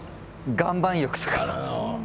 岩盤浴とか？